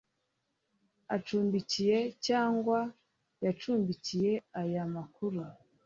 acumbikiye cyangwa yacumbikiye aya makuru